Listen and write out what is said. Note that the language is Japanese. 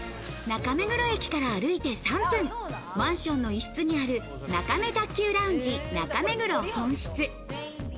中目黒駅から歩いて３分、マンションの一室にある中目卓球ラウンジ中目黒本室。